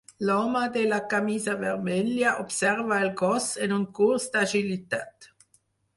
L'home de la camisa vermella observa el gos en un curs d'agilitat.